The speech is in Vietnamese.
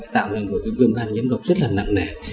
tạo nên một cái vườn bàn nhiễm độc rất là nặng nẻ